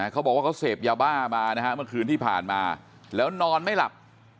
เขาบอกว่าเขาเสพยาบ้ามานะฮะเมื่อคืนที่ผ่านมาแล้วนอนไม่หลับ